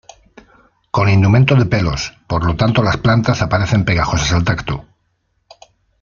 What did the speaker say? Con indumento de pelos, por lo tanto las plantas aparecen pegajosas al tacto.